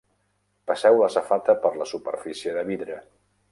Passeu la safata per la superfície de vidre.